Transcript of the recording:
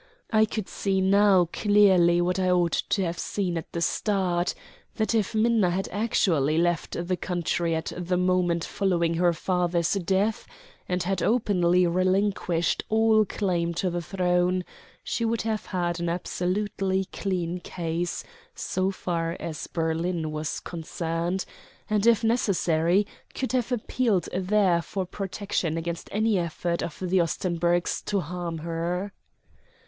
I could see now clearly what I ought to have seen at the start that if Minna had actually left the country at the moment following her father's death, and had openly relinquished all claim to the throne, she would have had an absolutely clean case so far as Berlin was concerned, and, if necessary, could have appealed there for protection against any efforts of the Ostenburgs to harm her.